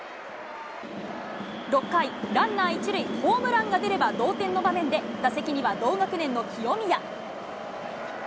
６回、ランナー１塁、ホームランが出れば同点の場面で、打席には同学年の清宮。